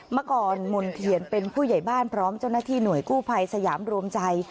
เมื่อก่อนมนเทียนเป็นผู้ใหญ่บ้านพร้อมเจ้าหน้าที่หน่วยกู้ภัยสยามรวมใจ